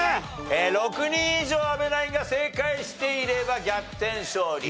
６人以上阿部ナインが正解していれば逆転勝利。